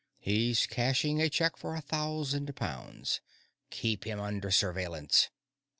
He's cashing a check for a thousand pounds. Keep him under surveillance.